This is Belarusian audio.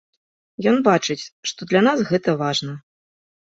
Ён бачыць, што для нас гэта важна.